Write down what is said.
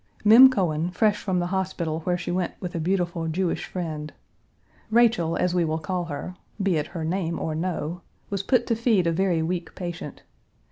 Mem Cohen, fresh from the hospital where she went with a beautiful Jewish friend. Rachel, as we will call her (be it her name or no), was put to feed a very weak patient.